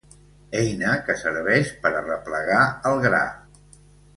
Eina que serveix per arreplegar el gra.